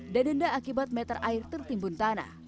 dan denda akibat meter air tertimbun tanah